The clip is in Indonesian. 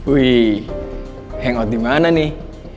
wih hangout dimana nih